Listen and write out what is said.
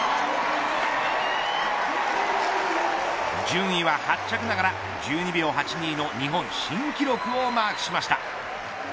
順位は８着ながら１２秒８２の日本新記録をマークしました。